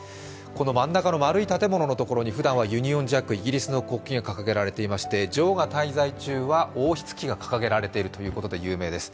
真ん中の丸い建物のところにふだんはユニオンジャック、イギリスの国旗が掲げられていまして、女王が滞在中は王室旗が掲げられていることで有名です。